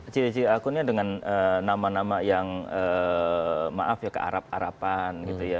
ciri ciri akunnya dengan nama nama yang maaf ya kearapan gitu ya